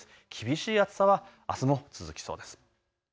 厳しい暑さはあすも続きそうです。